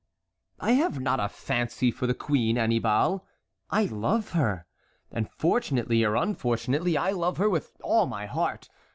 "I have not a fancy for the queen, Annibal, I love her; and fortunately or unfortunately I love her with all my heart.